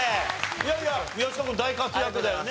いやいや宮近君大活躍だよね。